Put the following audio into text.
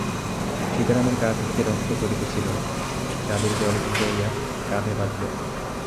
সীতারামের কাঁধ হইতে রক্ত পড়িতেছিল, চাদর জলে ভিজাইয়া কাঁধে বাঁধিল।